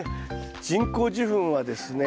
人工授粉はですね